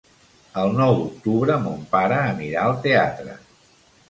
El nou d'octubre mon pare anirà al teatre.